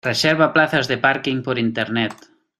Reserva plazas de parking por Internet.